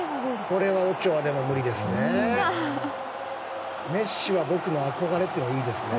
これはオチョアでも無理ですね。